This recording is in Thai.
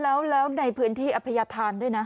แล้วในพื้นที่อภัยธานด้วยนะ